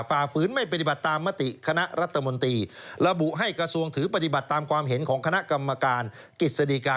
ฝ่าฝืนไม่ปฏิบัติตามมติคณะรัฐมนตรีระบุให้กระทรวงถือปฏิบัติตามความเห็นของคณะกรรมการกิจสดีกา